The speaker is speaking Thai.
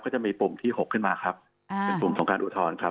จะมีปุ่มที่๖ขึ้นมาครับเป็นปุ่มของการอุทธรณ์ครับ